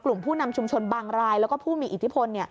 ผู้นำชุมชนบางรายแล้วก็ผู้มีอิทธิพล